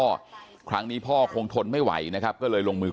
ถ้าแกอยู่ตรงไหนก็ให้กลับมาคุยกันให้รู้เรื่อง